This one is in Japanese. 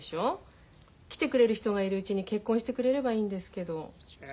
来てくれる人がいるうちに結婚してくれればいいんですけど。